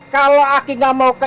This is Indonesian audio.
kalau aki nggak mau ke